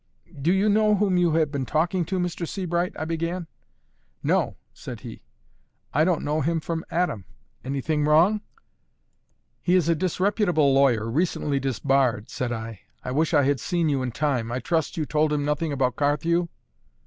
"Do you know whom you have been talking to, Mr. Sebright?" I began. "No," said he; "I don't know him from Adam. Anything wrong?" "He is a disreputable lawyer, recently disbarred," said I. "I wish I had seen you in time. I trust you told him nothing about Carthew?"